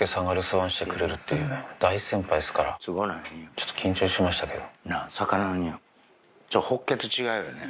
ちょっと緊張しましたけど。